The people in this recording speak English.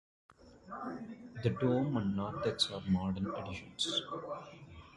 The dome and narthex are modern additions.